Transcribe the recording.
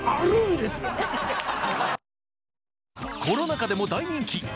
コロナ禍でも大人気！